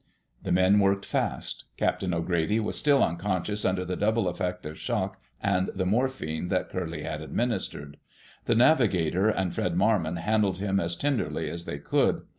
The men worked fast. Captain O'Grady was still unconscious under the double effect of shock and the morphine that Curly had administered. The navigator and Fred Marmon handled him as tenderly as they could.